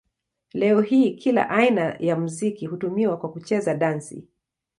Leo hii kila aina ya muziki hutumiwa kwa kucheza dansi.